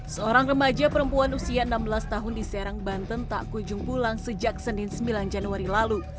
seorang remaja perempuan usia enam belas tahun di serang banten tak kunjung pulang sejak senin sembilan januari lalu